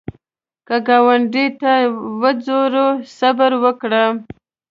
که ګاونډي تا وځوروي، صبر وکړه